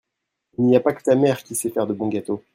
Il n'y a pas que ta mère qui sait faire de bons gâteaux.